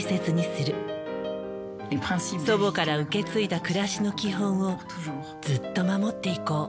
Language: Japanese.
祖母から受け継いだ暮らしの基本をずっと守っていこう。